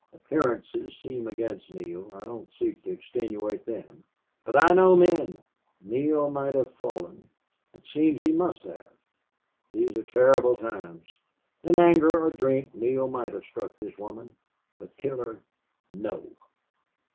Appearances seem against Neale. I don't seek to extenuate them. But I know men. Neale might have fallen it seems he must have. These are terrible times. In anger or drink Neale might have struck this woman.... But kill her No!"